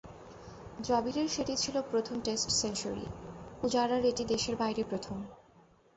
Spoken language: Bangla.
দ্রাবিড়ের সেটি ছিল প্রথম টেস্ট সেঞ্চুরি, পূজারার এটি দেশের বাইরে প্রথম।